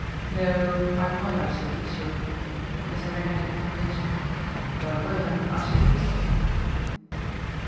"No, I'm not absolutely sure of his having had it from Mitchy. If I were I should do something."